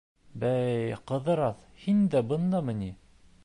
— Бәй, Ҡыҙырас, һин дә бындамы ни?